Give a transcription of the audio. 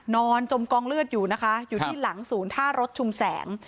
จมกองเลือดอยู่นะคะอยู่ที่หลังศูนย์ท่ารถชุมแสง